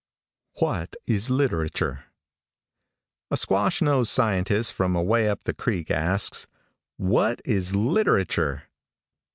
WHAT IS LITERATURE? |A SQUASH NOSED scientist from away up the creek, asks, "What is literature!"